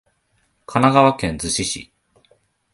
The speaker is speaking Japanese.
神奈川県逗子市